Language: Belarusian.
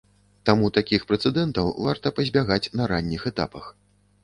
Таму такіх прэцэдэнтаў варта пазбягаць на ранніх этапах.